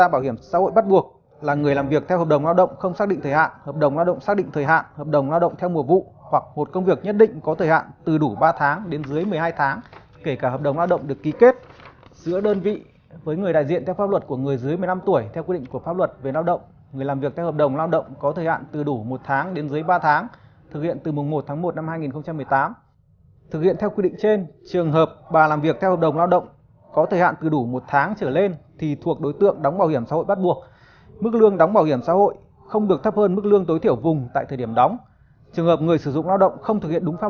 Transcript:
bà hỏi công ty làm như vậy có đúng không